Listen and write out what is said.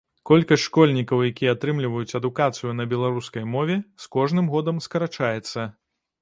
Колькасць школьнікаў, якія атрымліваюць адукацыю на беларускай мове, з кожным годам скарачаецца.